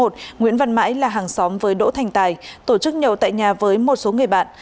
tài là hàng xóm với đỗ thành tài tổ chức nhậu tại nhà với một số người bạn